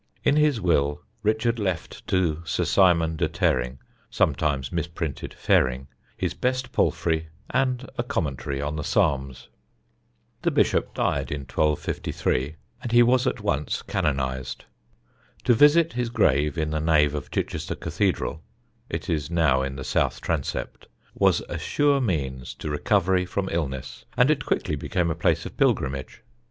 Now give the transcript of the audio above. In his will Richard left to Sir Simon de Terring (sometimes misprinted Ferring) his best palfrey and a commentary on the Psalms. [Sidenote: SAINT RICHARD] The Bishop died in 1253 and he was at once canonised. To visit his grave in the nave of Chichester Cathedral (it is now in the south transept) was a sure means to recovery from illness, and it quickly became a place of pilgrimage.